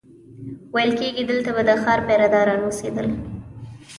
ویل کېږي دلته به د ښار پیره داران اوسېدل.